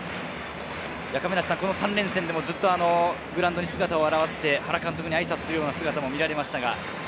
３連戦でもずっとグラウンドに姿を現して、原監督にあいさつする姿もありました。